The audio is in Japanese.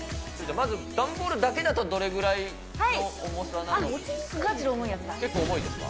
まず段ボールだけだと、どれぐらいの重さなんですか。